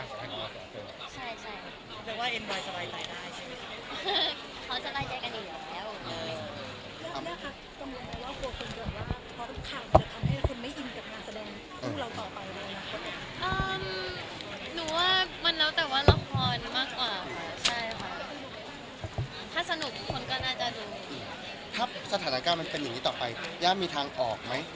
ไม่ก็เพื่อนนักแสดงทุกคนค่ะเราจะไม่เคยโกรธกันถ้าใครไม่ว่างมา